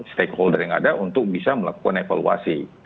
stakeholder yang ada untuk bisa melakukan evaluasi